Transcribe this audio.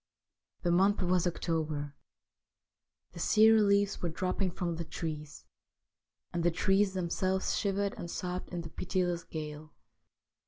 The month was October. The sere leaves were dropping from the trees, and the trees themselves shivered and sobbed in the pitiless gale.